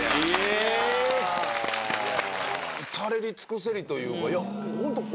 至れり尽くせりというか。